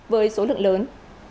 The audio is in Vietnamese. với số lượng lớn